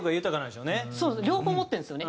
両方持ってるんですよね。